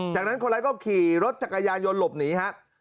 จากนั้นคนร้ายก็ขี่รถจักรยานยนต์หลบหนีฮะ